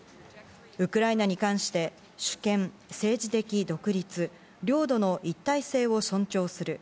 ウクライナに関して、主権、政治的独立、領土の一体性を尊重する。